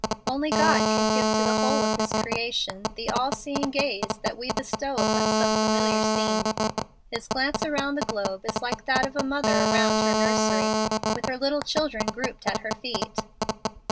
Only God can give to the whole of His creation the all seeing gaze that we bestow upon some familiar scene. His glance around the globe is like that of a mother around her nursery, with her little children grouped at her feet.